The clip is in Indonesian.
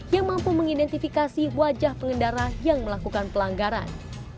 yang mampu mengidentifikasi wajah pengendara yang melakukan pelanggaran